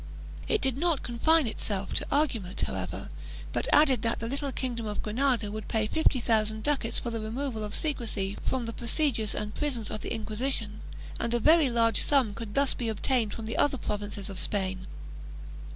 It did not confine itself to argument, however, but added that the little kingdom of Granada would pay fifty thousand ducats for the removal of secrecy from the procedure and prisons of the Inquisition, and that a very large sum could be thus obtained from the other provinces of Spain.